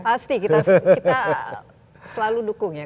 pasti kita selalu dukung ya